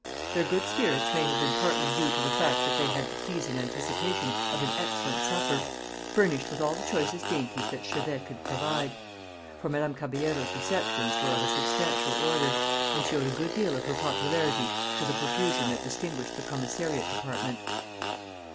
Their good spirits may have been partly due to the fact that they had the pleasing anticipation of an excellent supper, furnished with all the choicest dainties that Chevet can provide; for Madame Caballero's receptions were of a substantial order, and she owed a good deal of her popularity to the profusion that distinguished the commissariat department.